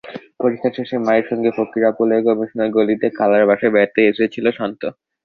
পরীক্ষা শেষে মায়ের সঙ্গে ফকিরাপুলের কমিশনার গলিতে খালার বাসায় বেড়াতে এসেছিল শান্ত।